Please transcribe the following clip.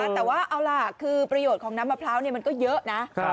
แต่ว่าเอาล่ะคือประโยชน์ของน้ำมะพร้าวมันก็เยอะนะ